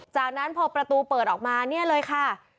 จากนั้นพอประตูเปิดออกมาเนี่ยเลยค่ะ